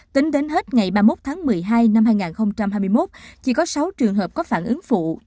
tính đến hết ngày ba mươi một tháng một mươi hai năm hai nghìn hai mươi một chỉ có sáu trường hợp có phản ứng phụ